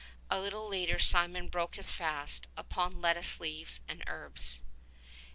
A little later Simeon broke his fast upon lettuce leaves and herbs.